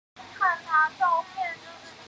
西邻泰国铁路东北线华目车站。